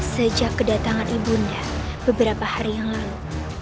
sejak kedatangan ibunda beberapa hari yang lalu